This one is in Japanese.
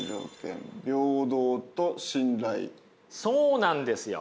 そうなんですよ。